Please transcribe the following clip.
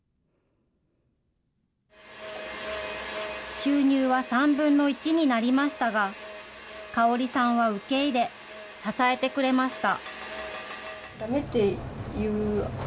収入は３分の１になりましたが、かおりさんは受け入れ、支えてくれました。